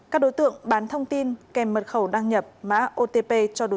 các đối tượng bán thông tin kèm mật khẩu đăng nhập mã otp